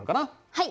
はい。